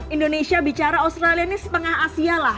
indonesia bicara australia ini setengah asia lah